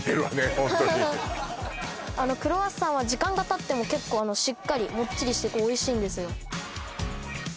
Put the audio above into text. ホントにハハハックロワッサンは時間がたっても結構しっかりもっちりしておいしいんですよ